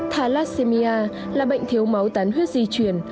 thalassemia là bệnh thiếu máu tán huyết di chuyển